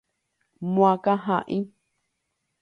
Moakãha'i.